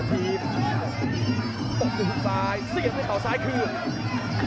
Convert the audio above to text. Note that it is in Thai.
ภุตชีพทวงทึกซ้ายเสียบไปสาวสายคืน